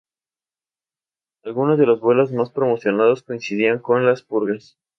Algunos de los vuelos más promocionados coincidían con las purgas.